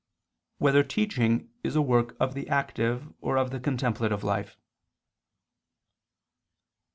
3] Whether Teaching Is a Work of the Active or of the Contemplative Life?